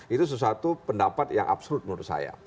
itu sesuatu pendapat yang absolut menurut saya